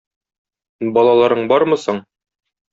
Балаларың бармы соң?